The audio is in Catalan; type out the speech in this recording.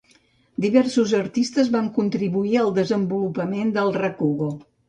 Diversos artistes van contribuir al desenvolupament del rakugo.